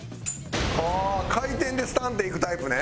回転でスタンっていくタイプね。